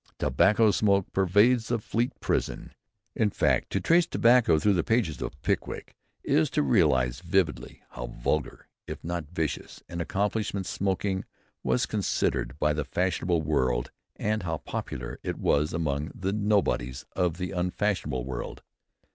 Tobacco smoke pervades the Fleet prison. In fact, to trace tobacco through the pages of "Pickwick" is to realize vividly how vulgar if not vicious an accomplishment smoking was considered by the fashionable world and how popular it was among the nobodies of the unfashionable world.